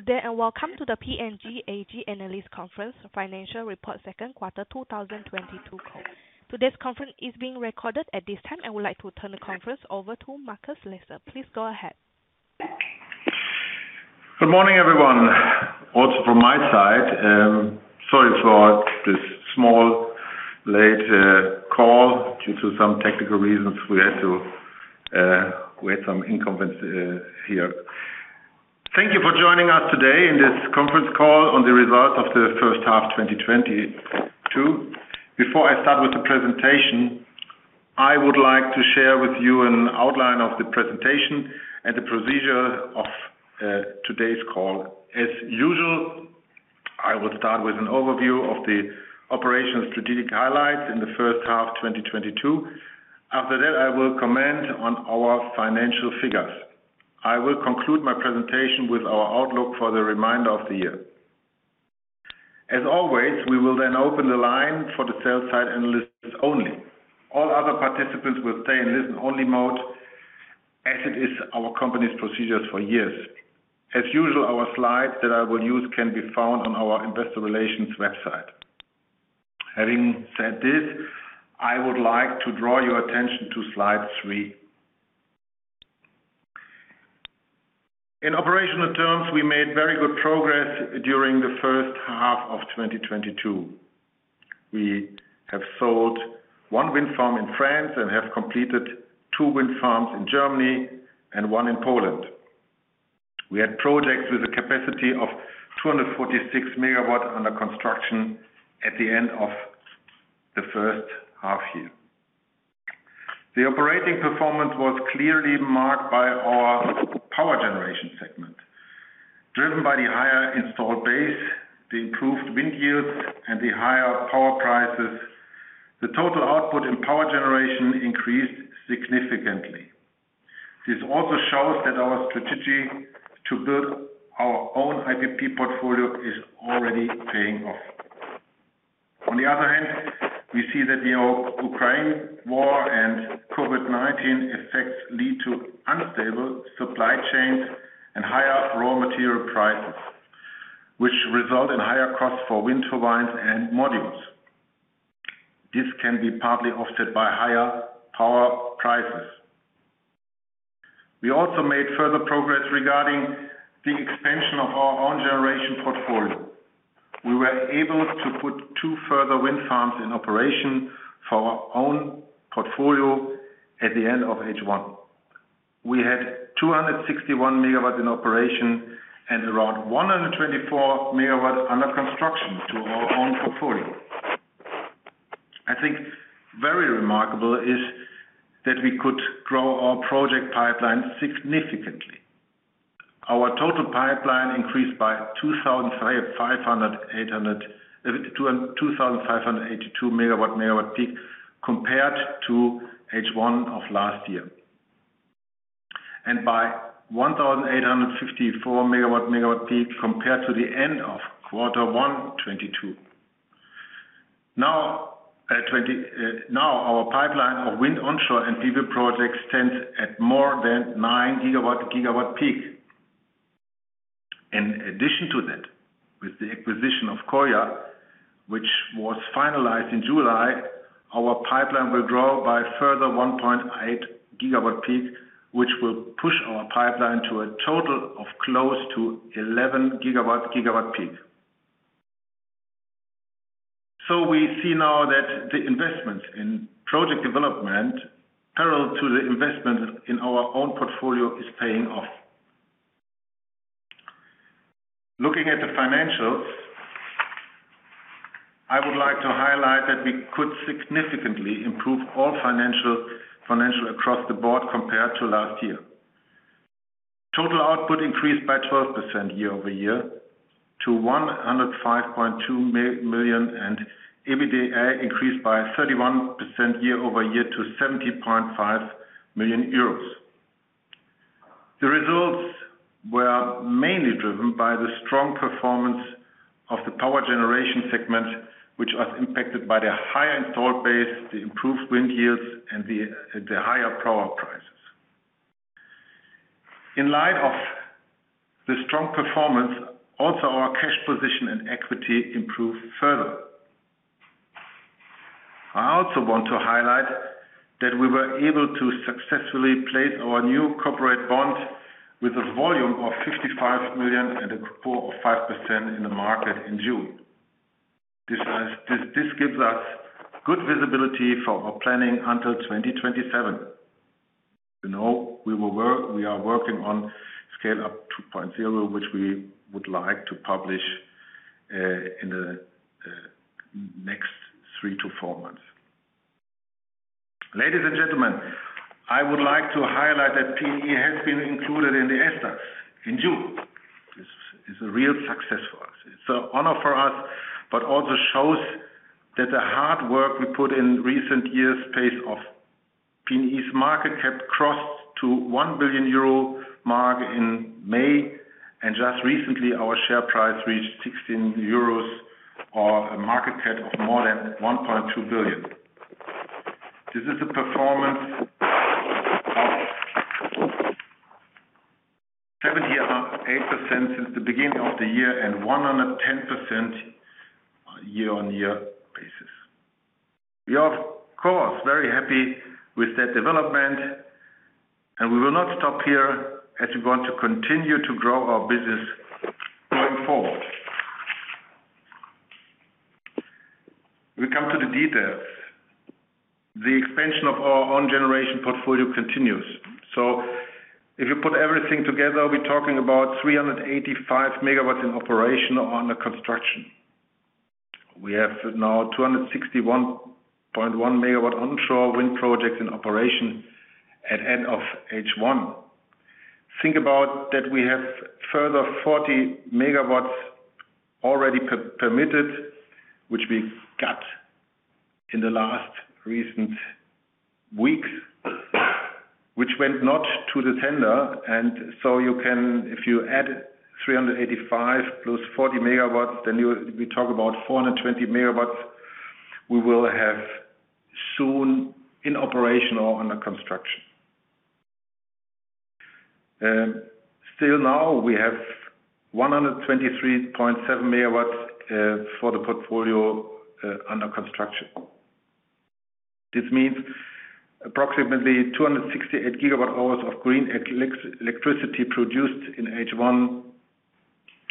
Good day and welcome to the PNE AG Analyst Conference Financial Report second quarter 2022 call. Today's conference is being recorded at this time. I would like to turn the conference over to Markus Lesser. Please go ahead. Good morning, everyone. Also from my side, sorry for this small late call. Due to some technical reasons, we had to we had some inconvenience here. Thank you for joining us today in this conference call on the results of the first half 2022. Before I start with the presentation, I would like to share with you an outline of the presentation and the procedure of today's call. As usual, I will start with an overview of the operational strategic highlights in the first half 2022. After that, I will comment on our financial figures. I will conclude my presentation with our outlook for the remainder of the year. As always, we will then open the line for the sell-side analysts only. All other participants will stay in listen-only mode as it is our company's procedures for years. As usual, our slides that I will use can be found on our investor relations website. Having said this, I would like to draw your attention to slide three. In operational terms, we made very good progress during the first half of 2022. We have sold one wind farm in France and have completed two wind farms in Germany and one in Poland. We had projects with a capacity of 246 MW under construction at the end of the first half year. The operating performance was clearly marked by our power generation segment. Driven by the higher installed base, the improved wind yields, and the higher power prices, the total output in power generation increased significantly. This also shows that our strategy to build our own IPP portfolio is already paying off. On the other hand, we see that the Ukraine war and COVID-19 effects lead to unstable supply chains and higher raw material prices, which result in higher costs for wind turbines and modules. This can be partly offset by higher power prices. We also made further progress regarding the expansion of our own generation portfolio. We were able to put two further wind farms in operation for our own portfolio at the end of H1. We had 261 MW in operation and around 124 MW under construction to our own portfolio. I think very remarkable is that we could grow our project pipeline significantly. Our total pipeline increased by 2,582 MWp compared to H1 of last year. By 1,854 MWp compared to the end of quarter one, 2022. Now our pipeline of wind onshore and PV projects stands at more than 9 GWp. In addition to that, with the acquisition of KOLYA, which was finalized in July, our pipeline will grow by a further 1.8 GWp, which will push our pipeline to a total of close to 11 GWp. We see now that the investment in project development parallel to the investment in our own portfolio is paying off. Looking at the financials, I would like to highlight that we could significantly improve all financials across the board compared to last year. Total output increased by 12% year-over-year to 105.2 million, and EBITDA increased by 31% year-over-year to 70.5 million euros. The results were mainly driven by the strong performance of the power generation segment, which was impacted by the higher installed base, the improved wind yields, and the higher power prices. In light of the strong performance, also our cash position and equity improved further. I also want to highlight that we were able to successfully place our new corporate bond with a volume of 55 million at a coupon of 5% in the market in June. This gives us good visibility for our planning until 2027. You know, we are working on Scale up 2.0, which we would like to publish in the next three to four months. Ladies and gentlemen, I would like to highlight that PNE has been included in the SDAX in June. This is a real success for us. It's an honor for us, but also shows that the hard work we put in recent years pays off. PNE's market cap crossed the 1 billion euro mark in May, and just recently, our share price reached 16 euros or a market cap of more than 1.2 billion. This is a 78% performance since the beginning of the year and 110% year-on-year basis. We are of course very happy with that development, and we will not stop here as we want to continue to grow our business going forward. We come to the details. The expansion of our own generation portfolio continues. If you put everything together, we're talking about 385 MW in operation or under construction. We have now 261.1 MW onshore wind projects in operation at end of H1. Think about that we have further 40 MW already permitted, which we got in the last recent weeks which went not to the tender. If you add 385 MW plus 40 MW, we talk about 420 MW we will have soon in operation or under construction. Still now we have 123.7 MW for the portfolio under construction. This means approximately 268 GWh of green electricity produced in H1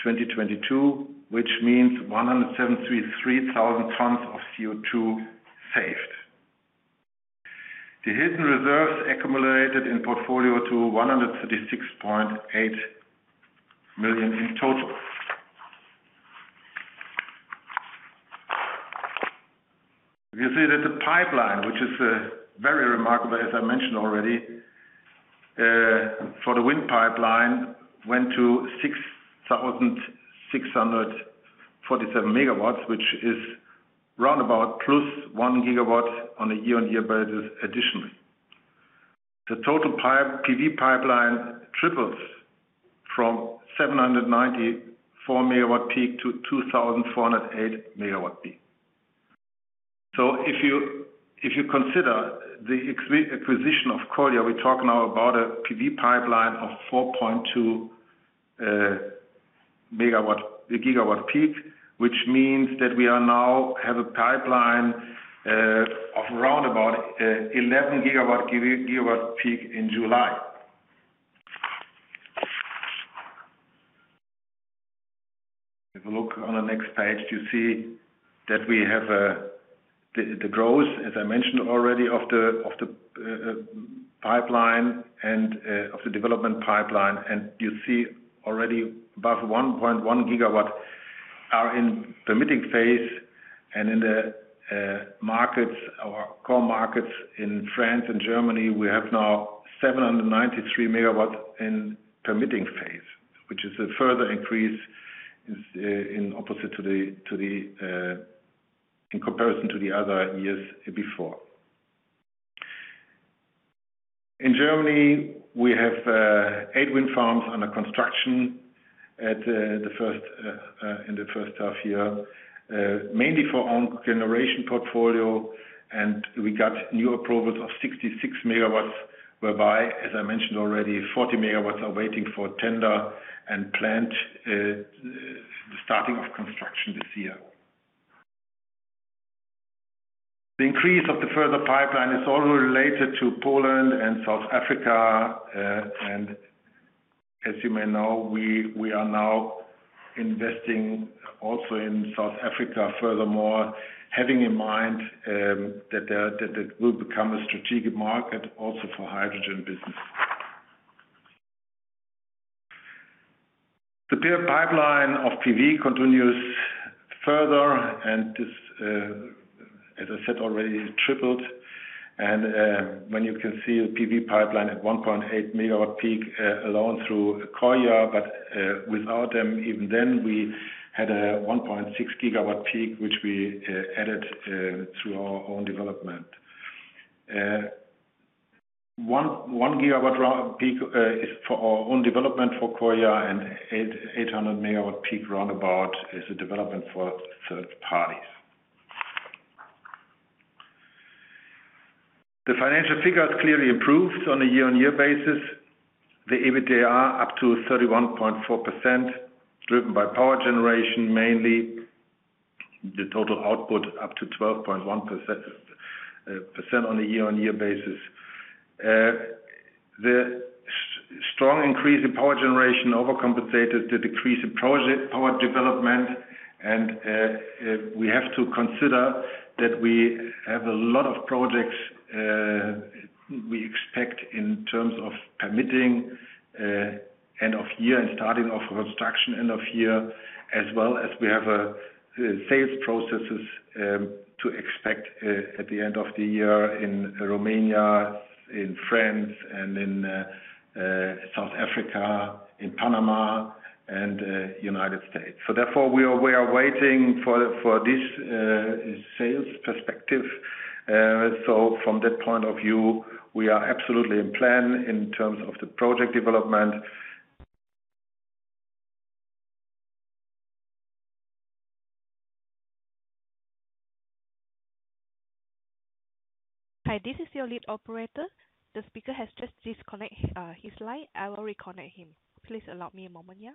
2022, which means 173,000 tons of CO2 saved. The hidden reserves accumulated in portfolio to 136.8 million in total. You see that the pipeline, which is very remarkable, as I mentioned already, for the wind pipeline, went to 6,647 MW, which is round about +1 GW on a year-on-year basis additionally. The total PV pipeline triples from 794 MWp to 2,408 MWp. If you consider the acquisition of KOLYA, we talk now about a PV pipeline of 4.2 GWp, which means that we now have a pipeline of round about 11 GWp in July. If you look on the next page, you see that we have the growth, as I mentioned already, of the pipeline and of the development pipeline, and you see already above 1.1 GW are in permitting phase. In the markets or core markets in France and Germany, we have now 793 MW in permitting phase, which is a further increase in opposite to the in comparison to the other years before. In Germany, we have eight wind farms under construction in the first half year, mainly for own generation portfolio, and we got new approvals of 66 MW, whereby, as I mentioned already, 40 MW are waiting for tender and planned the starting of construction this year. The increase of the further pipeline is all related to Poland and South Africa, and as you may know, we are now investing also in South Africa, furthermore, having in mind that will become a strategic market also for hydrogen business. The pipeline of PV continues further, and this, as I said, already tripled. When you can see a PV pipeline at 1.8 MWp alone through KOLYA, but without them, even then, we had a 1.6 GWp, which we added through our own development. One GWp is for our own development for KOLYA and 800 MWp roundabout is a development for third parties. The financial figures clearly improved on a year-on-year basis. The EBITDA up to 31.4%, driven by power generation, mainly the total output up to 12.1% on a year-on-year basis. The strong increase in power generation overcompensated the decrease in project power development. We have to consider that we have a lot of projects. We expect in terms of permitting end of year and starting of construction end of year, as well as we have sales processes to expect at the end of the year in Romania, in France and in South Africa, in Panama and United States. Therefore, we are waiting for this sales perspective. From that point of view, we are absolutely in plan in terms of the project development. Hi, this is your lead operator. The speaker has just disconnected his line. I will reconnect him. Please allow me a moment, yeah.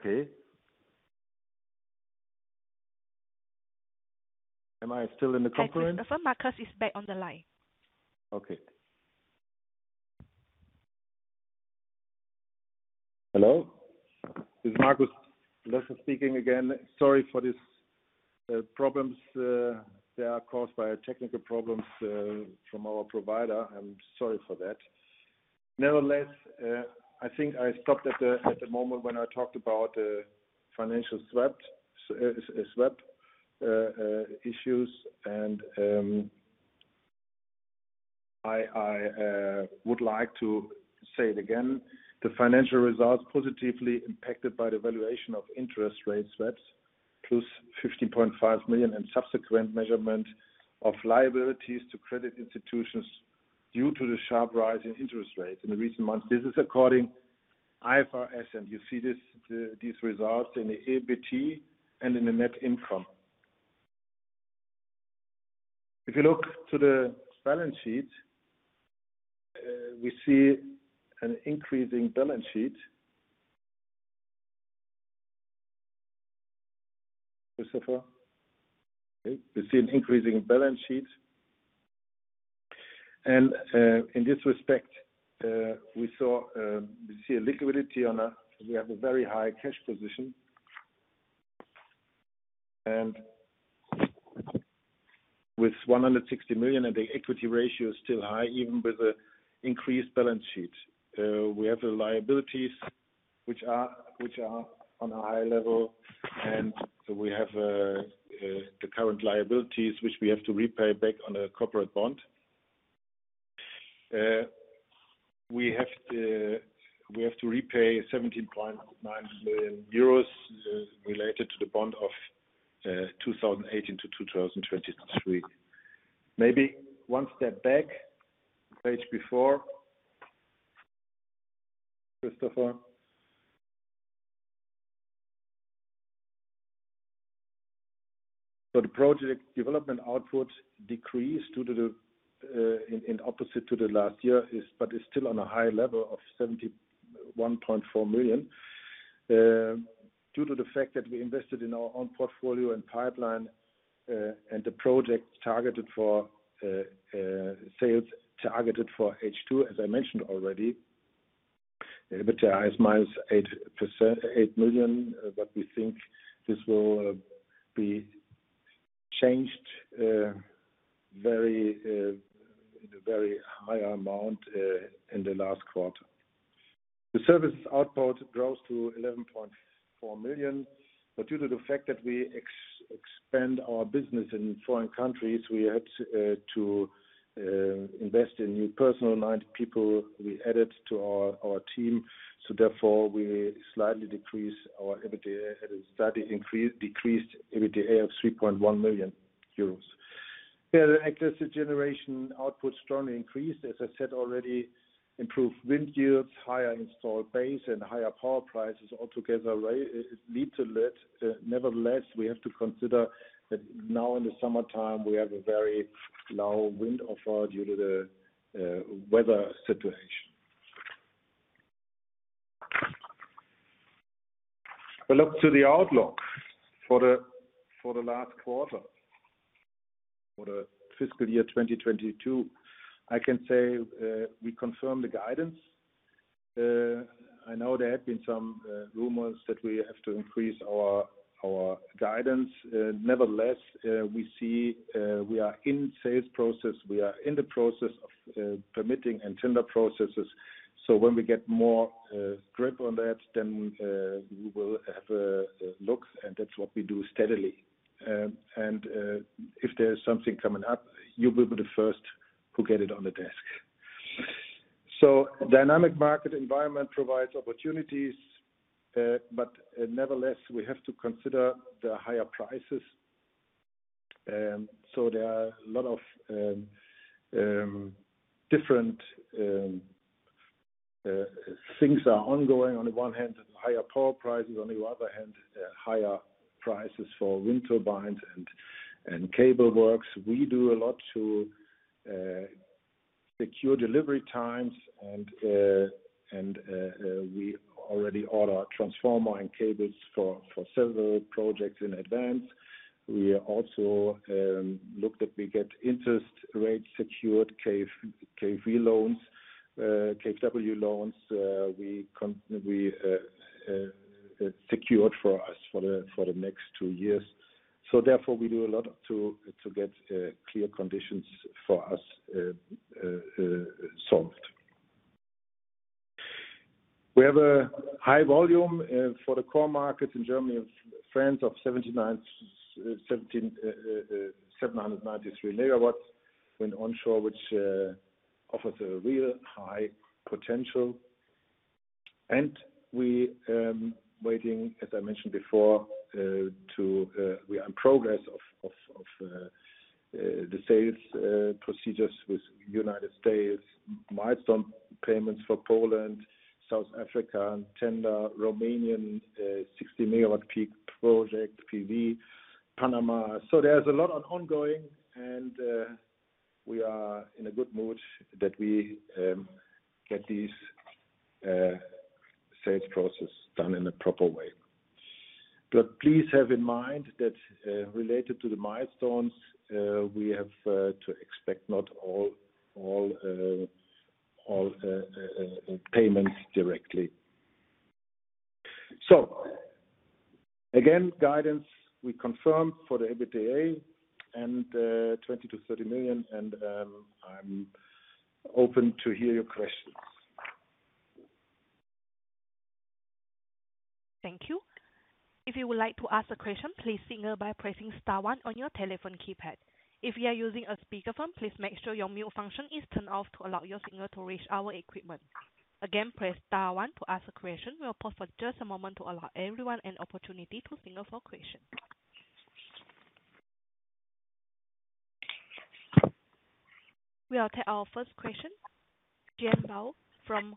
Okay. Am I still in the conference? Yes, sir. Markus is back on the line. Okay. Hello. It's Markus Lesser speaking again. Sorry for these problems that are caused by technical problems from our provider. I'm sorry for that. Nevertheless, I think I stopped at the moment when I talked about the financial swap issues. I would like to say it again. The financial results positively impacted by the valuation of interest rate swaps, plus 50.5 million in subsequent measurement of liabilities to credit institutions due to the sharp rise in interest rates in the recent months. This is according to IFRS, and you see these results in the EBT and in the net income. If you look to the balance sheet, we see an increasing balance sheet. Christopher? Okay. We see an increasing balance sheet. In this respect, we see a liquidity. We have a very high cash position. With 160 million, the equity ratio is still high, even with the increased balance sheet. We have the liabilities which are on a high level, and we have the current liabilities which we have to repay back on a corporate bond. We have to repay 17.9 million euros related to the bond of 2018 to 2023. Maybe one step back, page before. Christopher. The project development output decreased in opposite to the last year, but it's still on a high level of 71.4 million. Due to the fact that we invested in our own portfolio and pipeline, and the project targeted for sales targeted for H2, as I mentioned already. EBITDA is minus 8 million, but we think this will be changed to a very higher amount in the last quarter. The services output grows to 11.4 million, but due to the fact that we expand our business in foreign countries, we had to invest in new personnel 90 people we added to our team. Therefore, we slightly decrease our EBITDA at a steady increase decreased EBITDA of 3.1 million euros. The electricity generation output strongly increased, as I said already. Improved wind yields, higher installed base and higher power prices altogether lead to that. Nevertheless, we have to consider that now in the summertime, we have a very low wind offer due to the weather situation. A look to the outlook for the last quarter for the fiscal year 2022. I can say, we confirm the guidance. I know there have been some rumors that we have to increase our guidance. Nevertheless, we see, we are in sales process. We are in the process of permitting and tender processes. When we get more grip on that, then we will have a look, and that's what we do steadily. If there's something coming up, you will be the first who get it on the desk. Dynamic market environment provides opportunities, but nevertheless, we have to consider the higher prices. There are a lot of different things are ongoing. On the one hand, higher power prices. On the other hand, higher prices for wind turbines and cable works. We do a lot to secure delivery times and we already order transformer and cables for several projects in advance. We also look that we get interest rates secured, KfW loans, we secured for us for the next two years. Therefore, we do a lot to get clear conditions for us solid. We have a high volume for the core markets in Germany and France of 793 MW onshore wind, which offers a real high potential. We are in process of the sales procedures in the United States, milestone payments for Poland, South Africa and tender in Romania 60 MWp project PV Panama. There's a lot going on and we are in a good mood that we get these sales process done in a proper way. Please have in mind that related to the milestones we have to expect not all payments directly. Again, we confirm guidance for the EBITDA and 20 million-30 million. I'm open to hear your questions. Thank you. If you would like to ask a question, please signal by pressing star one on your telephone keypad. If you are using a speakerphone, please make sure your mute function is turned off to allow your signal to reach our equipment. Again, press star one to ask a question. We'll pause for just a moment to allow everyone an opportunity to signal for question. We'll take our first question. Jan Bauer from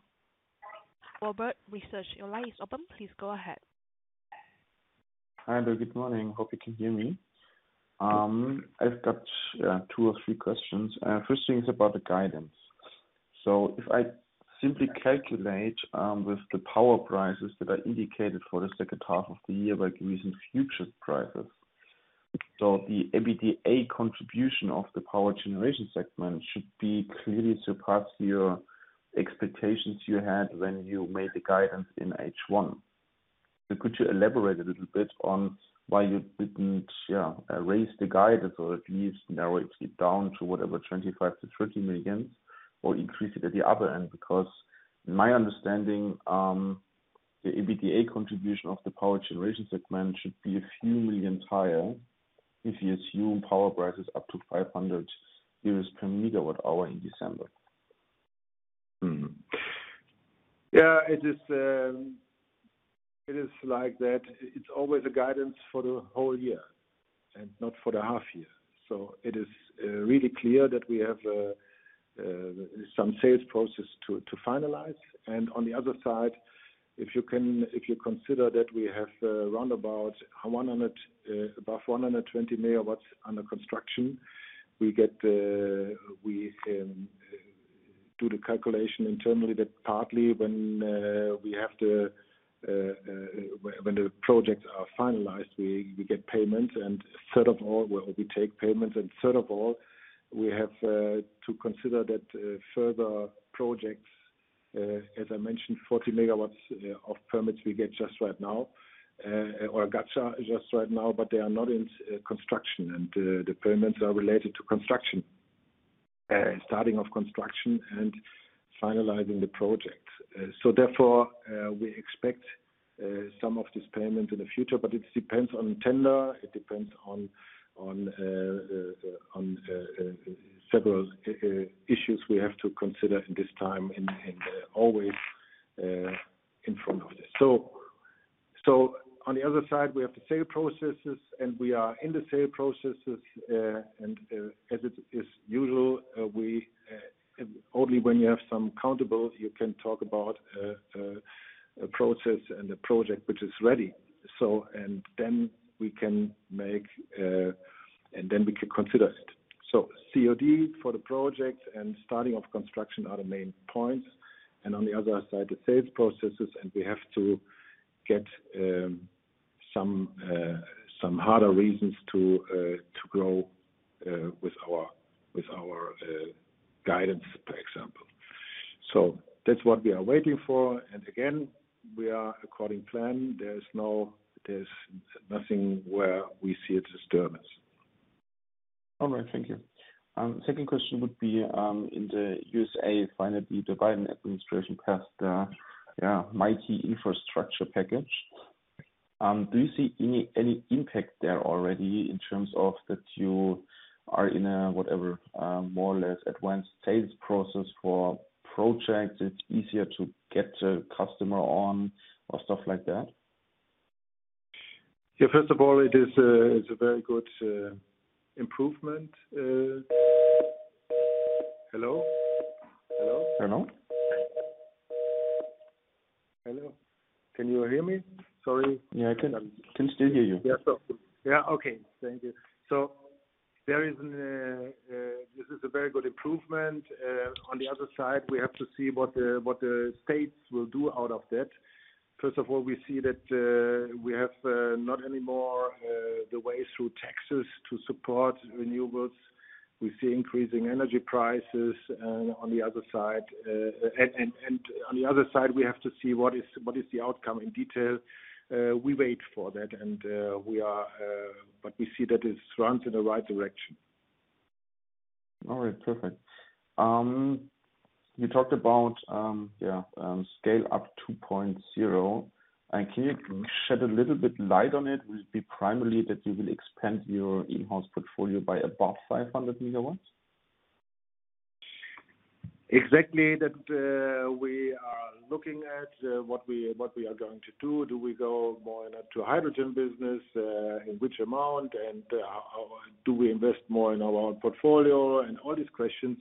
Warburg Research. Your line is open. Please go ahead. Hi there. Good morning. Hope you can hear me. I've got two or three questions. First thing is about the guidance. If I simply calculate with the power prices that are indicated for the second half of the year by using future prices. The EBITDA contribution of the power generation segment should be clearly surpass your expectations you had when you made the guidance in H1. Could you elaborate a little bit on why you didn't, yeah, raise the guidance or at least narrow it down to whatever, 25 million-30 million or increase it at the other end? Because in my understanding, the EBITDA contribution of the power generation segment should be a few million higher. If you assume power prices up to 500 euros per megawatt hour in December. Mm-hmm. Yeah, it is like that. It's always a guidance for the whole year and not for the half year. It is really clear that we have some sales process to finalize. On the other side, if you consider that we have above 120 MW under construction, we do the calculation internally that partly when the projects are finalized, we get payment. Third of all, well we take payment, and we have to consider that further projects, as I mentioned, 40 MW of permits we got just right now, but they are not in construction. The payments are related to construction. Starting of construction and finalizing the project. Therefore, we expect some of this payment in the future, but it depends on tender. It depends on several issues we have to consider in this time and always in front of this. On the other side, we have the sale processes, and we are in the sale processes. As is usual, only when you have some counterparties, you can talk about a process and a project which is ready. Then we can make, and then we can consider it. COD for the project and starting of construction are the main points. On the other side, the sales processes, and we have to get some harder reasons to grow with our guidance, for example. That's what we are waiting for. Again, we are according to plan. There's nothing where we see a disturbance. All right. Thank you. Second question would be, in the USA, finally, the Biden administration passed, yeah, mighty infrastructure package. Do you see any impact there already in terms of that you are in a, whatever, more or less advanced sales process for projects, it's easier to get a customer on or stuff like that? Yeah, first of all, it's a very good improvement. Hello? Hello? Hello. Hello. Can you hear me? Sorry. Yeah, I can. Can still hear you. Yeah. Okay. Thank you. This is a very good improvement. On the other side, we have to see what the states will do out of that. First of all, we see that we have not anymore the way through taxes to support renewables. We see increasing energy prices on the other side. On the other side, we have to see what is the outcome in detail. We wait for that, but we see that it runs in the right direction. All right. Perfect. You talked about Scale up 2.0. Can you shed a little bit light on it? Will it be primarily that you will expand your in-house portfolio by above 500 MW? Exactly. That we are looking at what we are going to do. Do we go more to hydrogen business? In which amount? How do we invest more in our portfolio and all these questions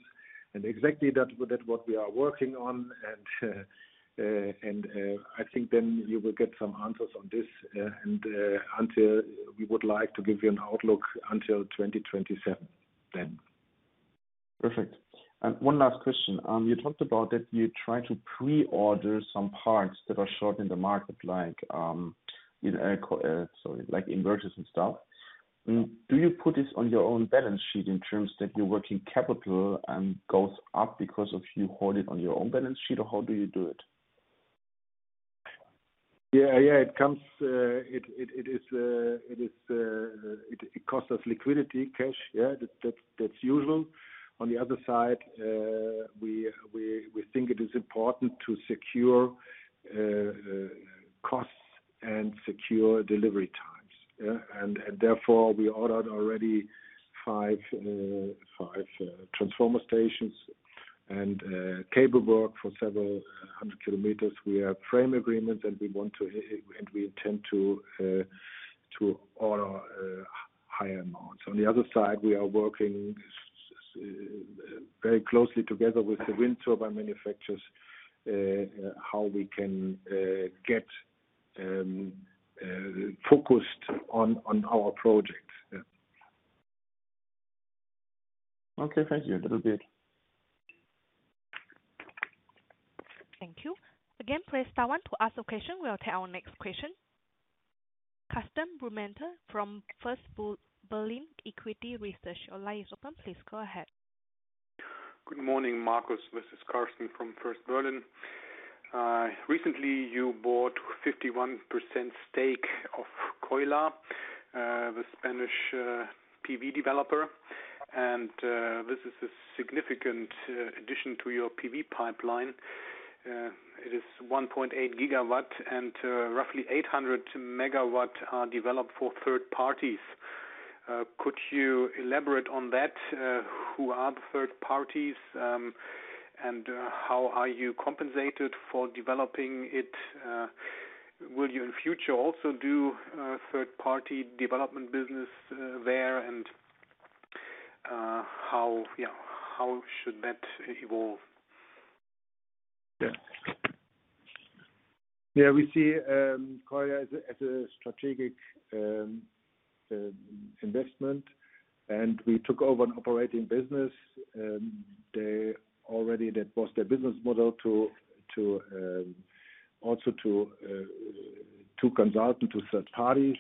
and exactly that what we are working on. I think then you will get some answers on this until we would like to give you an outlook until 2027 then. Perfect. One last question. You talked about that you try to pre-order some parts that are short in the market, like, you know, like inverters and stuff. Mm. Do you put this on your own balance sheet in terms of your working capital goes up because you hold it on your own balance sheet? Or how do you do it? Yeah, yeah. It costs us liquidity cash. Yeah. That's usual. On the other side, we think it is important to secure costs and secure delivery times. Yeah. Therefore, we ordered already five transformer stations and cable work for several hundred kilometers. We have frame agreements, and we want to and we intend to order higher amounts. On the other side, we are working very closely together with the wind turbine manufacturers how we can get focused on our projects. Yeah. Okay. Thank you. That will be it. Thank you. Again, press star one to ask a question. We'll take our next question. Karsten Blumenthal from First Berlin Equity Research. Your line is open. Please go ahead. Good morning, Markus. This is Karsten from First Berlin. Recently, you bought 51% stake of KOLYA, the Spanish PV developer. This is a significant addition to your PV pipeline. It is 1.8 GW and roughly 800 MW are developed for third parties. Could you elaborate on that? Who are the third parties, and how are you compensated for developing it? Will you in future also do third-party development business there? How should that evolve? Yeah, we see KOLYA as a strategic investment, and we took over an operating business. They already, that was their business model to also consult into third parties.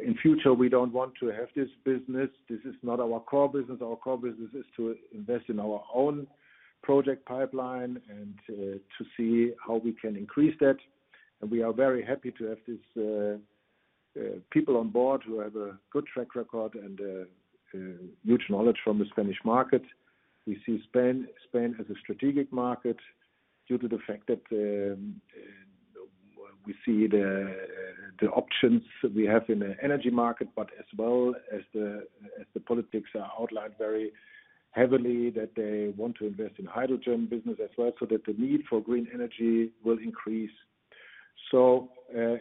In future, we don't want to have this business. This is not our core business. Our core business is to invest in our own project pipeline and to see how we can increase that. We are very happy to have these people on board who have a good track record and huge knowledge from the Spanish market. We see Spain as a strategic market due to the fact that we see the options we have in the energy market, but as well as the politics are outlined very heavily, that they want to invest in hydrogen business as well, so that the need for green energy will increase. It's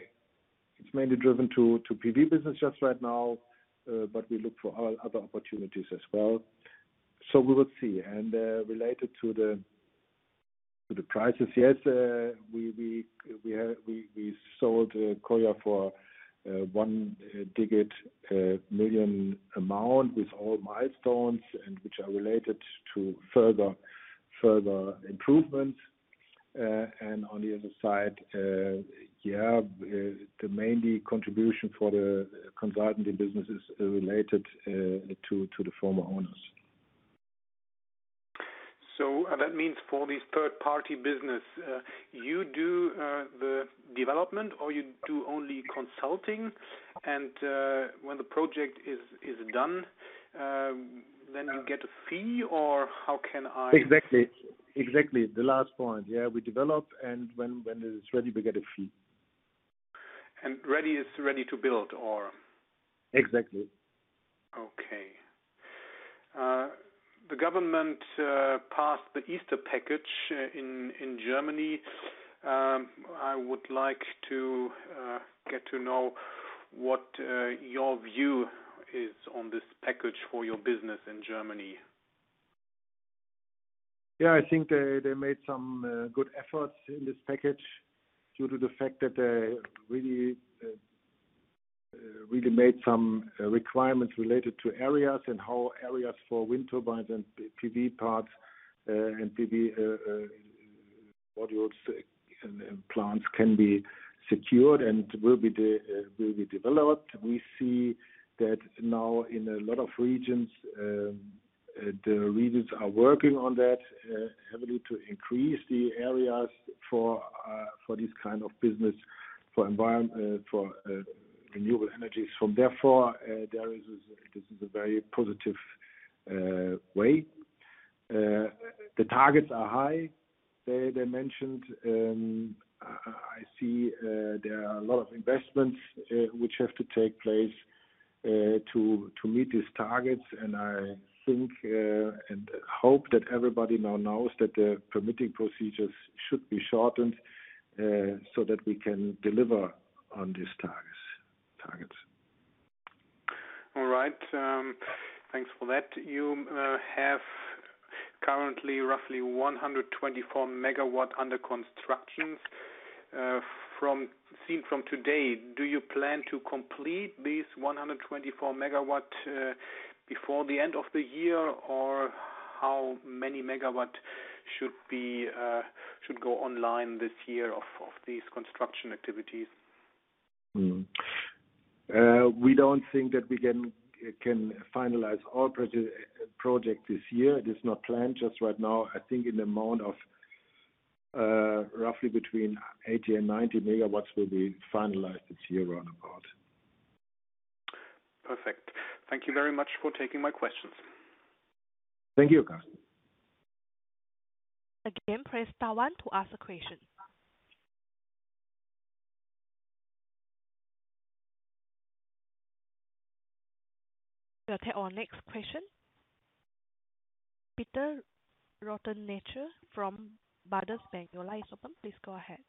mainly driven to PV business just right now, but we look for other opportunities as well. We will see. Related to the prices, yes, we have sold KOLYA for one-digit million EUR amount with all milestones and which are related to further improvements. On the other side, the main contribution for the consulting business is related to the former owners. That means for this third-party business, you do the development or you do only consulting and, when the project is done, then you get a fee or how can I? Exactly. The last point. Yeah, we develop and when it is ready, we get a fee. Ready is ready to build or? Exactly. Okay. The government passed the Easter Package in Germany. I would like to get to know what your view is on this package for your business in Germany. I think they made some good efforts in this package due to the fact that they really made some requirements related to areas and how areas for wind turbines and PV parks and PV modules and plants can be secured and will be developed. We see that now in a lot of regions. The regions are working on that heavily to increase the areas for this kind of business for environment for renewable energies. Therefore, there is this. This is a very positive way. The targets are high. They mentioned. I see there are a lot of investments which have to take place to meet these targets. I think, and hope that everybody now knows that the permitting procedures should be shortened, so that we can deliver on these targets. All right. Thanks for that. You have currently roughly 124 MW under construction. Seen from today, do you plan to complete these 124 MW before the end of the year? Or how many MW should go online this year of these construction activities? We don't think that we can finalize all projects this year. It is not planned just right now. I think in the amount of, roughly between 80 MW and 90 MW will be finalized this year, round about. Perfect. Thank you very much for taking my questions. Thank you, Karsten. Again, press star one to ask a question. We'll take our next question. Peter Rothenaicher from Baader Bank. Your line is open. Please go ahead.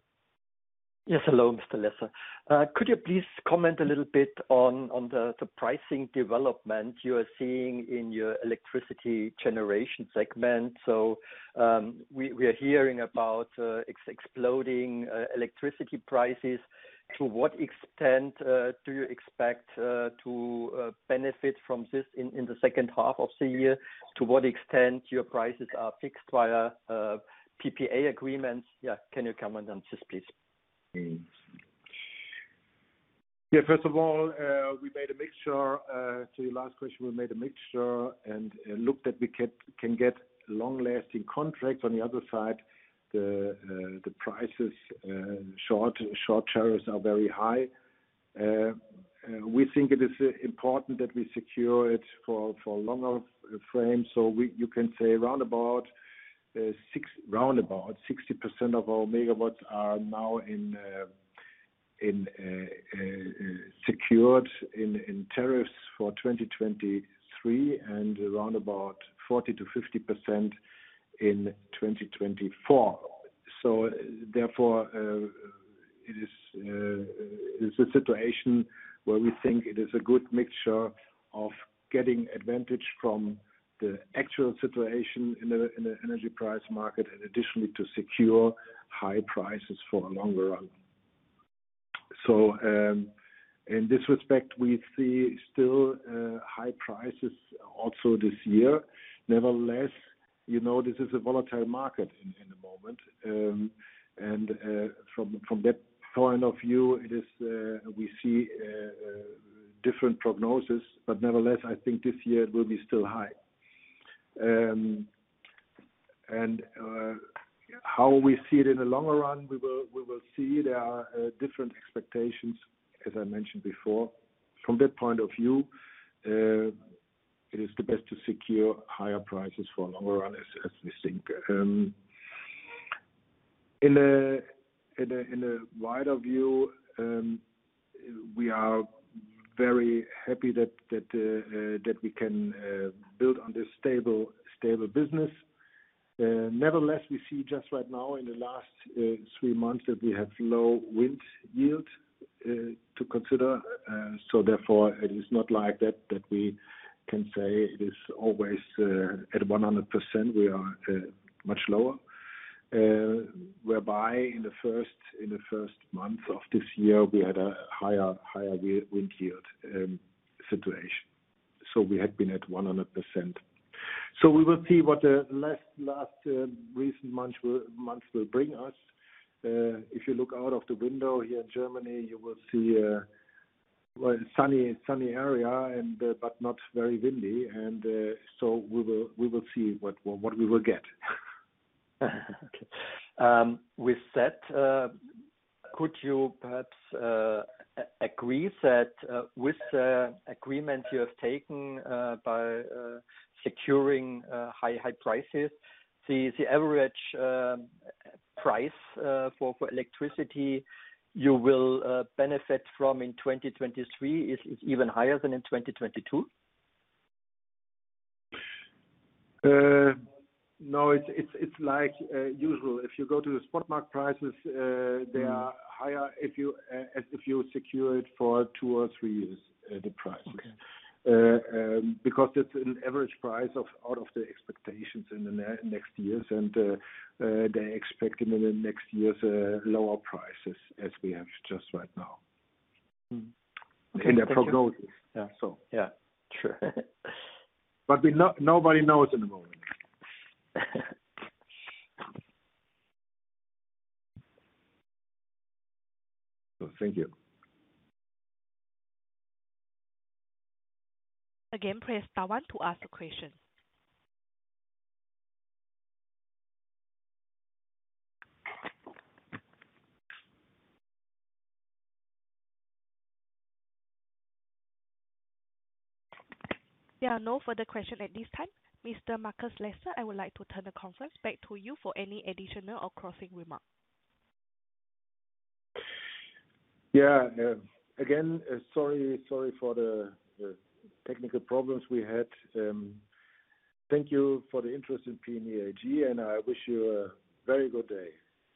Yes, hello, Mr. Lesser. Could you please comment a little bit on the pricing development you are seeing in your electricity generation segment? We are hearing about exploding electricity prices. To what extent do you expect to benefit from this in the second half of the year? To what extent your prices are fixed via PPA agreements? Yeah. Can you comment on this, please? Yeah. First of all, to your last question, we made a mixture and looked that we can get long-lasting contracts. On the other side, the prices, short tariffs are very high. We think it is important that we secure it for longer frame. You can say roundabout 60% of our megawatts are now secured in tariffs for 2023 and roundabout 40%-50% in 2024. Therefore, it is a situation where we think it is a good mixture of getting advantage from the actual situation in the energy price market and additionally to secure high prices for a longer run. In this respect, we see still high prices also this year. Nevertheless, you know, this is a volatile market in the moment. From that point of view, we see different prognosis. Nevertheless, I think this year it will be still high. How we see it in the longer run, we will see. There are different expectations, as I mentioned before. From that point of view, it is the best to secure higher prices for a longer run, as we think. In a wider view, we are very happy that we can build on this stable business. Nevertheless, we see just right now in the last three months that we have low wind yield to consider. Therefore, it is not like that that we can say it is always at 100%, we are much lower. Whereby in the first month of this year, we had a higher wind yield situation. We had been at 100%. We will see what the last recent months will bring us. If you look out of the window here in Germany, you will see a well sunny area and but not very windy. We will see what we will get. Okay. With that, could you perhaps agree that with the agreement you have taken by securing high prices, the average price for electricity you will benefit from in 2023 is even higher than in 2022? No, it's like usual. If you go to the spot market prices. Mm-hmm. They are higher if you secure it for two or three years, the price. Okay. Because it's an average price of all of the expectations in the next years and they're expecting in the next years lower prices as we have just right now. Okay. Thank you. In their prognosis. Yeah. Yeah. True. Nobody knows at the moment. Thank you. Again, press star one to ask a question. There are no further questions at this time. Mr. Markus Lesser, I would like to turn the conference back to you for any additional or closing remarks. Yeah. Again, sorry for the technical problems we had. Thank you for the interest in PNE AG, and I wish you a very good day.